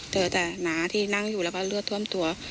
เจอแต่น้าที่นั่งอยู่แล้วก็เลือดท่วมตัว